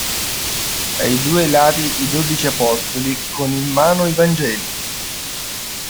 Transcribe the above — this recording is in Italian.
Ai due lati i dodici apostoli con in mano i Vangeli.